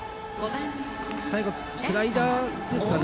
最後、スライダーですかね。